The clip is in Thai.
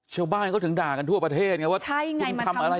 เช่าบ้านเขาถึงด่ากันทั่วประเทศไงว่าคุณทำอะไรของคุณเนี่ย